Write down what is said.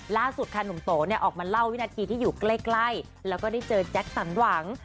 ล่าสุดค่ะหนุ่มโตเนี่ยออกมาเล่าวินาทีที่อยู่ใกล้แล้วก็ได้เจอแจ็คสันหวัง